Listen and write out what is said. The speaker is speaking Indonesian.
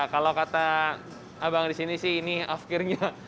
kalau kata abang di sini sih ini afkirnya